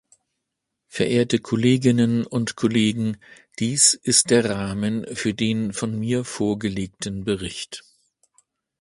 Verehrte Kolleginnen und Kollegen, dies ist der Rahmen für den von mir vorgelegten Bericht.